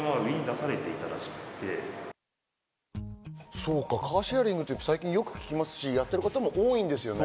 そうか、カーシェアリングって最近よく聞きますし、やってる方も多いんですよね。